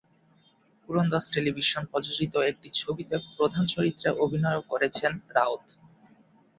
ওলন্দাজ টেলিভিশন প্রযোজিত একটি ছবিতে প্রধান চরিত্রে অভিনয়ও করেছেন রাউত।